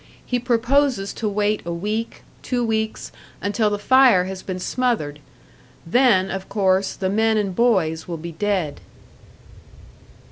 He proposes to wait a week, two weeks, until the fire has been smothered; then of course the men and boys will be dead."